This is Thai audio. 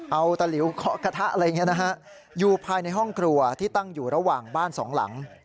เอาตะหลิวก็กระทะอยู่ภายในห้องครัวที่ตั้งอยู่ระหว่างบ้านสองหลัง